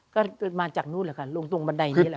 ก็เกิดมาจากนู่นแหละค่ะลงตรงบันไดนี้แหละ